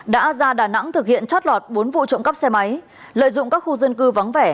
đã ra đà nẵng thực hiện chót lọt bốn vụ trộm cắp xe máy lợi dụng các khu dân cư vắng vẻ